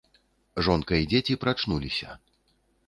Жонка і дзеці прачнуліся.